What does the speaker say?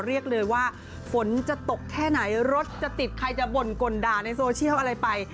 เรียกเลยว่าฝนจะตกแค่ไหนรถจะติดใครจะบ่นกลด่าในโซเชียลอะไรไป